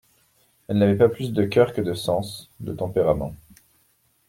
Elle n'avait pas plus de coeur que de sens, de tempérament.